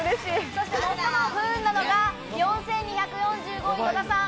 そして最も不運なのが４２４５位、野田さん。